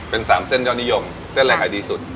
เป็น๓เส้นยอดนิยมเส้นอะไรขายดีสุด